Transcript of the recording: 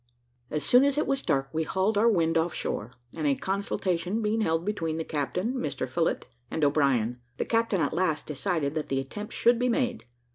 As soon as it was dark, we hauled our wind off shore; and a consultation being held between the captain, Mr Phillott, and O'Brien, the captain at last decided that the attempt should be made.